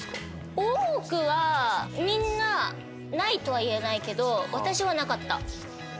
多くはみんなないとは言えないけど私はなかった。